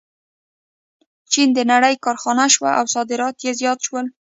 چین د نړۍ کارخانه شوه او صادرات یې زیات شول.